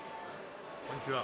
こんにちは。